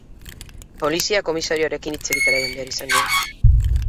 Polizia-komisarioarekin hitz egitera joan behar izan nuen.